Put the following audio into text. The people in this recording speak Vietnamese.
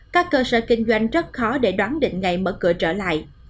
các cơ sở kinh doanh rất khó để đoán định ngày mở cửa trở lại